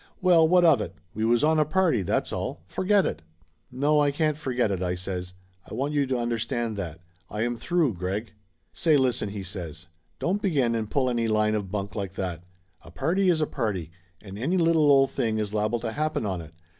Well, what of it? We was on a party, that's all! Forget it." "No, I can't forget it," I says. "I want you to understand that. I am through, Greg." "Say listen!" he says. "Don't begin and pull any line of bunk like that. A party is a party and any little old thing is liable to happen on it.